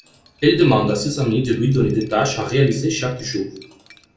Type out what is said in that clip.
Elle demande à ses amis de lui donner des tâches à réaliser chaque jour.